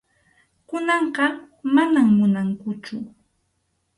Kunanqa manam munankuchu.